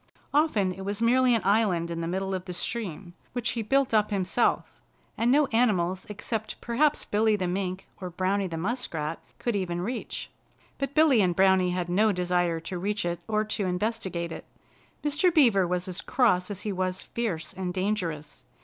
Often it was merely an island in the middle of the stream, which he built up himself, and no animals except perhaps Billy the Mink or Browny the Muskrat could even reach. But Billy and Browny had no desire to reach it or to investigate it. Mr. Beaver was as cross as he was fierce and dangerous.